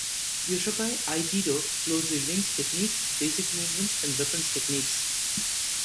Yoshokai Aikido closely links techniques, basic movements, and weapons techniques.